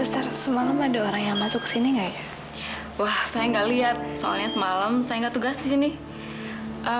tapi kalau ibu kenapa sekarang gak keliatan ya